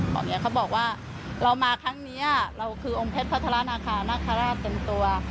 เขาบอกว่าเรามาครั้งนี้เราคือองค์เพชรพัฒนาคาราชเป็นตัว